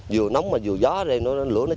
vừa nóng mà vừa gió rồi lửa nó cháy